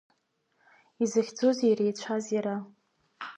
Изыхьӡузеи иреицәаз иара.